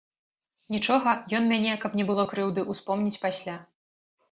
Нічога, ён мяне, каб не было крыўды, успомніць пасля.